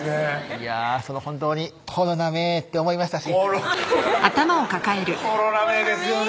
いやそれは本当にコロナめって思いましたし「コロナめ」ですよね